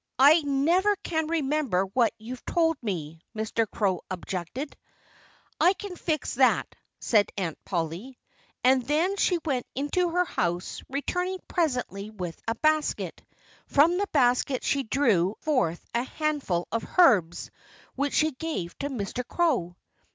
"I never can remember what you've told me," Mr. Crow objected. "I can fix that," said Aunt Polly. And then she went into her house, returning presently with a basket. From the basket she drew forth a handful of herbs, which she gave to Mr. Crow.